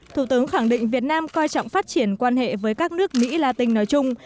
thủ tướng khẳng định việt nam coi trọng phát triển quan hệ với các nước mỹ la tinh nói chung